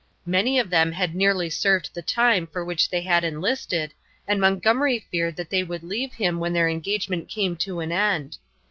Many of them had nearly served the time for which they had enlisted, and Montgomery feared that they would leave him when their engagement came to an end.